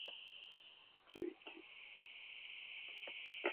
Almost all of the homes feature detached garages in the back of the property.